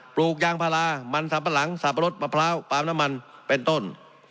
ปลูกยางพารามันสัมปะหลังสับปะรดมะพร้าวปลามน้ำมันเป็นต้น